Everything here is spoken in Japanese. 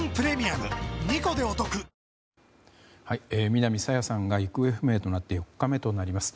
南朝芽さんが行方不明となって４日目となります。